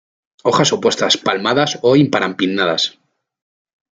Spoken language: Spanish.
Hojas opuestas, palmadas o imparipinnadas.